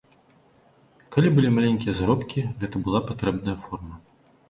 Калі былі маленькія заробкі, гэта была патрэбная форма.